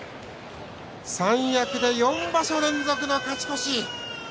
三役で４場所連続の勝ち越し。